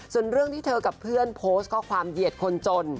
ส่วนเรื่องที่เธอกับเพื่อนโพสต์ข้อความเหยียดคนจน